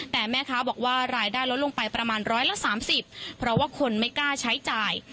แต่แม่ค้าบอกว่ารายได้ลดลงไปประมาณร้อยละ๓๐เพราะว่าคนไม่กล้าใช้จ่าย